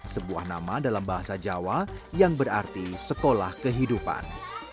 sebuah nama dalam bahasa jawa yang berarti sekolah kehidupan